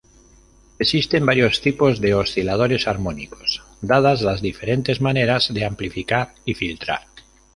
Existen varios tipos de osciladores armónicos, dadas las diferentes maneras de amplificar y filtrar.